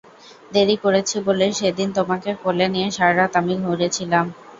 দেরি করেছি বলে সেদিন তোমাকে কোলে নিয়ে সারা রাত আমি ঘুরেছিলাম।